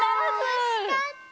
おしかった！